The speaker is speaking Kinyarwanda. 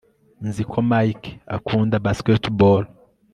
Nzi ko Mike akunda basketball